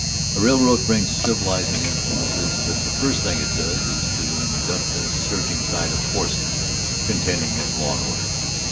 A railroad brings civilizing influences; but the first thing it does is to induct a surging tide of forces contending against law and order.